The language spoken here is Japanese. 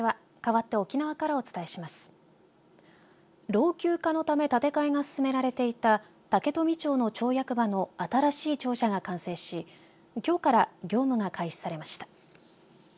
老朽化のため建て替えが進められていた竹富町の町役場の新しい庁舎が完成しきょうから業務が開始されました。